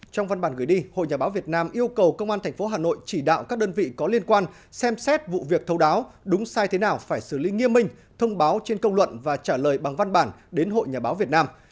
trong văn bản gửi đi hội nhà báo việt nam yêu cầu công an tp hà nội chỉ đạo các đơn vị có liên quan xem xét vụ việc thấu đáo đúng sai thế nào phải xử lý nghiêm minh thông báo trên công luận và trả lời bằng văn bản đến hội nhà báo việt nam